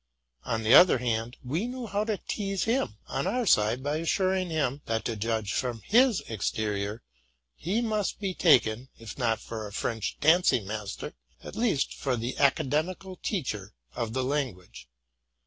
On the other hand, we knew how to tease him, on our side, by assuring him, that, to judge from his exterior, he must be taken. if not fora French dancing master, at least for the academical teacher of the language.